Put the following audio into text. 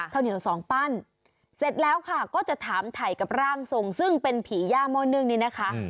ข้าวเหนียวสองปั้นเสร็จแล้วค่ะก็จะถามถ่ายกับร่างทรงซึ่งเป็นผีย่าโม่นึ่งนี้นะคะ